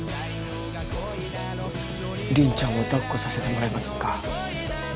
凛ちゃんを抱っこさせてもらえませんか。